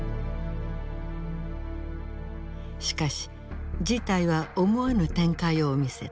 しかし事態は思わぬ展開を見せた。